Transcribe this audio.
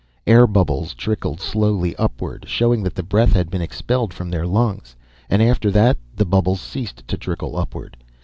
Air bubbles trickled slowly upward, showing that the breath had been expelled from their lungs, and after that the bubbles ceased to trickle upward.